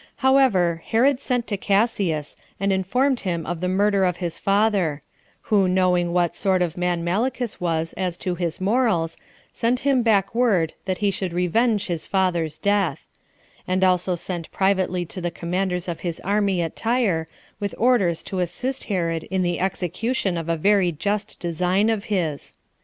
6. However, Herod sent to Cassius, and informed him of the murder of his father; who knowing what sort of man Malichus was as to his morals, sent him back word that he should revenge his father's death; and also sent privately to the commanders of his army at Tyre, with orders to assist Herod in the execution of a very just design of his.